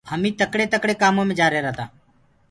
هميٚ تڪڙي ٿڪڙي ڪآمو مي جآرهيرآ تآ۔